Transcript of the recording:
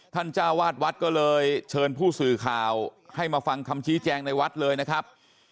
จ้าวาดวัดก็เลยเชิญผู้สื่อข่าวให้มาฟังคำชี้แจงในวัดเลยนะครับ